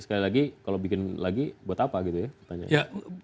sekali lagi kalau bikin lagi buat apa gitu ya pertanyaannya